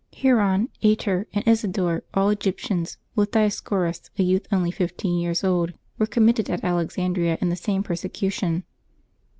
Heron, Ater, and Isidore, all Egyptians, with Dioscorus, a youth only fifteen years old, were com mitted at Alexandria in the same persecution.